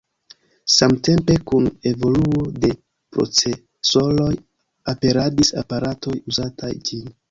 Samtempe kun evoluo de procesoroj aperadis aparatoj uzataj ĝin.